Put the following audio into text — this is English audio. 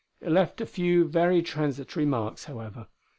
It left a few very transitory marks, however.